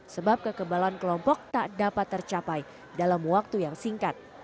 sebab kekebalan kelompok tak dapat tercapai dalam waktu yang singkat